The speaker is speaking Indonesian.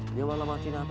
dia malah matiin hpnya